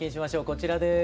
こちらです。